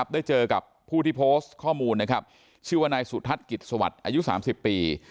ได้เจอกับผู้ที่โพสต์ข้อมูลนะครับชื่อว่านายสุทัศน์กิจสวัสดิ์อายุ๓๐ปี